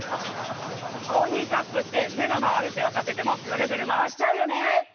コーヒーカップって目が回るって分かっててもぐるぐる回しちゃうよね！